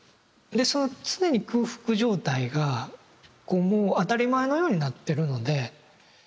でその常に空腹状態がもう当たり前のようになってるので。